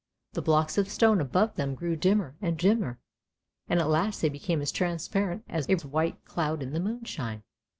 The blocks of stone above them grew dimmer and dimmer, and at last they became as transparent as a white cloud in the moonshine.